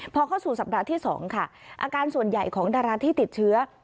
พอเข้าสู่สัปดาห์ที่๒ค่ะอาการส่วนใหญ่ของดาราที่ติดเชื้อ